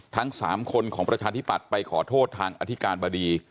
ทั้ง๓คนของประชาธิปัตย์ไปขอโทษทางอธิการบดี